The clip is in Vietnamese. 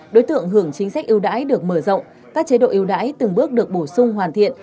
đối tượng hưởng chính sách ưu đãi được mở rộng các chế độ ưu đãi từng bước được bổ sung hoàn thiện